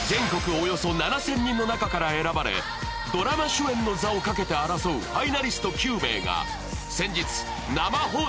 およそ７０００人の中から選ばれドラマ主演の座をかけて争うファイナリスト９名が先日生放送でお披露目